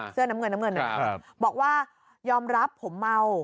เสื้อน้ำเงินบอกว่ายอมรับผมเมา